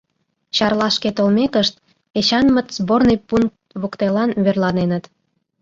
Чарлашке толмекышт, Эчанмыт сборный пункт воктелан верланеныт.